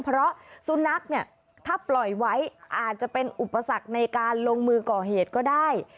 เพราะสุนัขเนี่ยถ้าปล่อยไว้อาจจะเป็นอุปสรรคในการลงมือก่อเหตุก็ได้